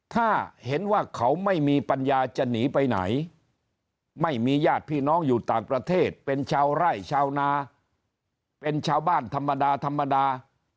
ถ้าเห็นว่าเขาไม่มีปัญญาจะหนีไปไหนไม่มีญาติพี่น้องอยู่ต่างประเทศเป็นชาวไร่ชาวนาเป็นชาวบ้านธรรมดาธรรมดา